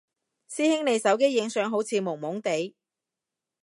師兄你手機影相好似朦朦哋？